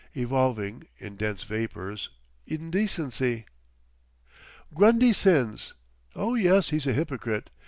Evolving—in dense vapours—indecency! "Grundy sins. Oh, yes, he's a hypocrite.